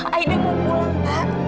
aida mau pulang pak